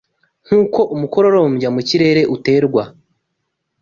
Nk’uko umukororombya mu kirere uterwa